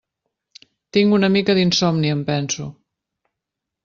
Tinc una mica d'insomni, em penso.